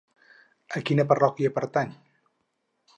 A quina parròquia pertany?